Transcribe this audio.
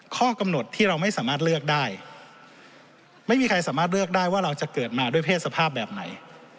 ข้อกำหนดที่เราไม่สามารถเลือกได้ไม่มีใครสามารถเลือกได้ว่าเราจะเกิดมาด้วยเพศสภาพแบบไหน